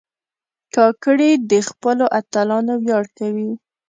کاکړي د خپلو اتلانو ویاړ کوي.